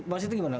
masih itu gimana